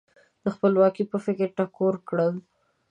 د خپلواکۍ په فکر ټکور کړل.